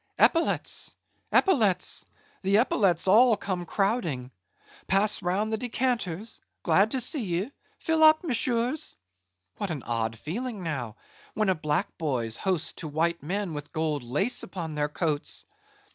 epaulets! epaulets! the epaulets all come crowding! Pass round the decanters; glad to see ye; fill up, monsieurs! What an odd feeling, now, when a black boy's host to white men with gold lace upon their coats!